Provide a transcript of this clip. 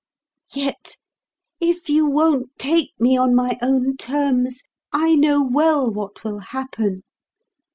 Yet, if you won't take me on my own terms, I know well what will happen.